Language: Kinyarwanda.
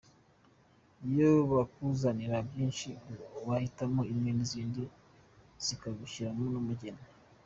niyo bakuzaniraga nyinshi, wahitagamo imwe izindi zikazasubiranayo n’umugeni.